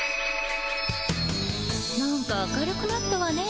なんか明るくなったわね